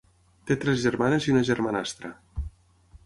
Té tres germanes i una germanastra.